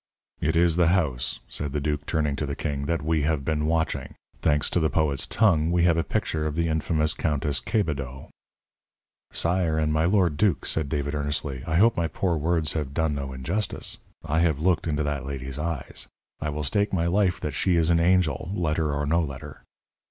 "It is the house," said the duke, turning to the king, "that we have been watching. Thanks to the poet's tongue, we have a picture of the infamous Countess Quebedaux." "Sire and my lord duke," said David, earnestly, "I hope my poor words have done no injustice. I have looked into that lady's eyes. I will stake my life that she is an angel, letter or no letter."